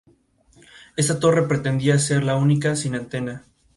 Esta torre pretendía ser la única sin antena.